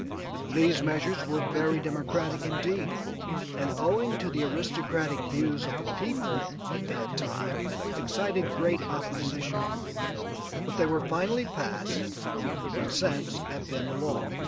These measures were very democratic indeed and owing to the aristocratic views of the people at that time, excited great opposition, but they were finally passed and since have been law.